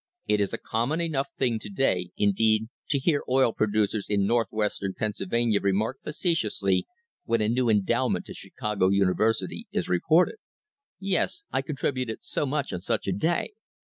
It is a common enough thing to day, indeed, to hear oil producers in Northwestern Pennsylvania remark facetiously when a new endowment to Chicago University is reported: "Yes, I contributed so much on such a day.